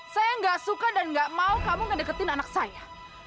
saya nggak suka dan nggak mau kamu ngedeketin anak saya